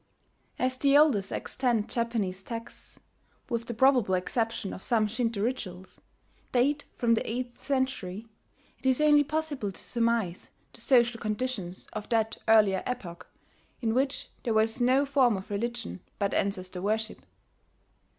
As the oldest extant Japanese texts with the probable exception of some Shinto rituals date from the eighth century, it is only possible to surmise the social conditions of that earlier epoch in which there was no form of religion but ancestor worship.